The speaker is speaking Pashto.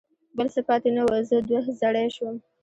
بل څه پاتې نه و، زه دوه زړی شوم.